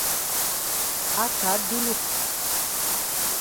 Ake a dulu.